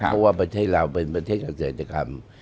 เพราะว่าประเทศเราเป็นประเทศเกษตรกรรม